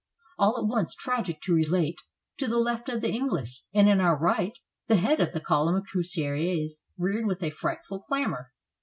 All at once, tragic to relate, at the left of the English, and on our right, the head of the column of cuirassiers reared with a frightful clamor.